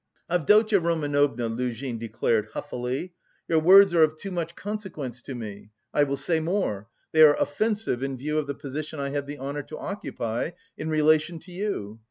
"Avdotya Romanovna," Luzhin declared huffily, "your words are of too much consequence to me; I will say more, they are offensive in view of the position I have the honour to occupy in relation to you.